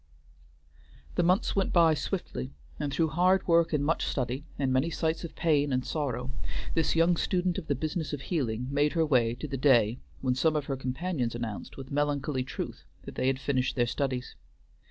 The months went by swiftly, and through hard work and much study, and many sights of pain and sorrow, this young student of the business of healing made her way to the day when some of her companions announced with melancholy truth that they had finished their studies.